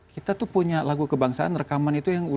kita tuh punya lagu kebangsaan rekaman itu yang